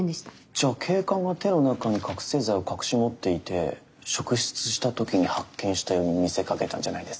じゃあ警官が手の中に覚醒剤を隠し持っていて職質した時に発見したように見せかけたんじゃないですか？